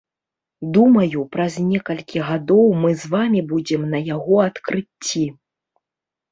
Думаю, праз некалькі гадоў мы з вамі будзем на яго адкрыцці.